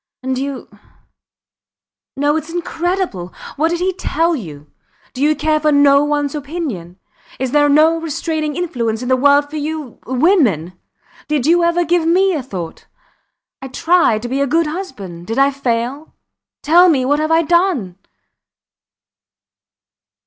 ... And you ... No! Its incredible! What did he tell you? Do you care for no ones opinion is there no restraining influence in the world for you women? Did you ever give me a thought? I tried to be a good husband. Did I fail? Tell me what have I done?